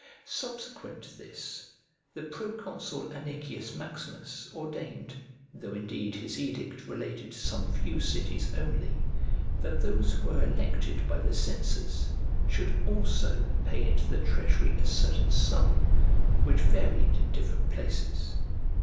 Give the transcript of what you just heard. Subsequent to this, the proconsul Anicius Maximus ordained (though indeed his edict related to some few cities only) that those who were elected by the censors should also pay into the treasury a certain sum, which varied in different places.